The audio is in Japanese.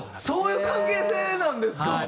そういう関係性なんですか。